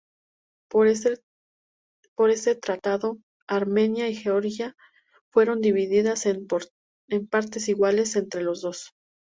Por este tratado, Armenia y Georgia fueron divididas en partes iguales entre los dos.